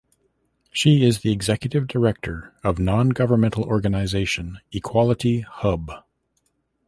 She is the executive director of non governmental organisation Equality Hub.